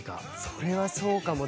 それはそうかも。